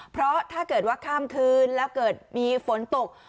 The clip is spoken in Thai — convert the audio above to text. เพราะถ้าเกิดว่าข้ามคืนแล้วเกิดมีฝนตก